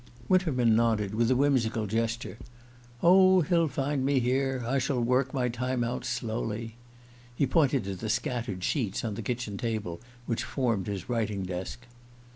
Winterman nodded with a whimsical gesture. "Oh, he'll find me here. I shall work my time out slowly." He pointed to the scattered sheets on the kitchen table which formed his writing desk.